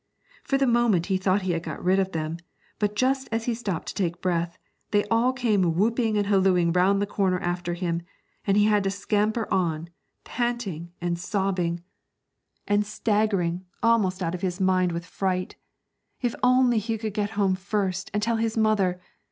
For the moment he thought he had got rid of them; but just as he stopped to take breath, they all came whooping and hallooing round the corner after him; and he had to scamper on, panting, and sobbing, and staggering, and almost out of his mind with fright. If he could only get home first, and tell his mother!